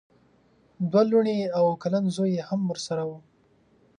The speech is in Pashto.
دوه لوڼې او اوه کلن زوی یې هم ورسره وو.